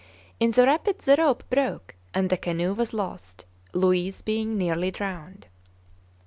In the rapids the rope broke, and the canoe was lost, Luiz being nearly drowned.